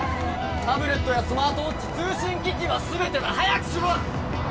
タブレットやスマートウォッチ通信機器はすべてだ早くしろ！